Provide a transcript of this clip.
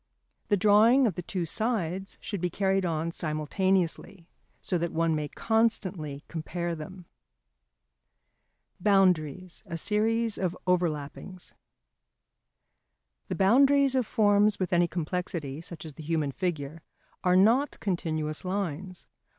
The drawing of the two sides should be carried on simultaneously, so that one may constantly compare them. [Sidenote: Boundaries a series of Overlappings.] The boundaries of forms with any complexity, such as the human figure, are not continuous lines.